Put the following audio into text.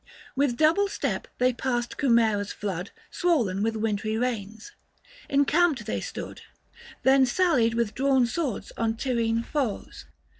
With double step they passed Cumera's flood 210 Swollen with wintry rains ; encamped they stood ; Then sallied with drawn swords on Tyrrhene foes.